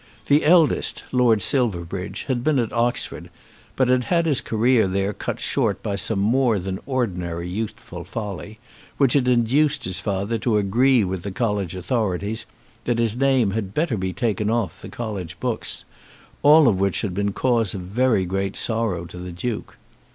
The eldest, Lord Silverbridge, had been at Oxford, but had had his career there cut short by some more than ordinary youthful folly, which had induced his father to agree with the college authorities that his name had better be taken off the college books, all which had been cause of very great sorrow to the Duke.